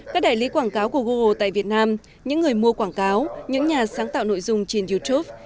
các đại lý quảng cáo của google tại việt nam những người mua quảng cáo những nhà sáng tạo nội dung trên youtube